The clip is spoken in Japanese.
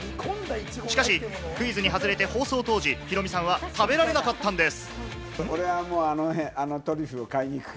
しかしクイズに外れて放送当時、ヒロミさんは食べられなかったんです。